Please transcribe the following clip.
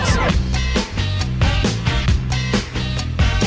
สวัสดีครับสวัสดีครับ